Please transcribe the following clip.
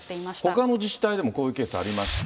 ほかの自治体でもこういうケースありまして。